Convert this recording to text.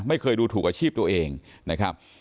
ไม่เคยดูถูกอาชีพตัวเองนะครับ